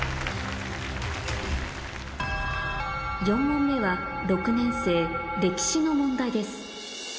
４問目は６年生歴史の問題です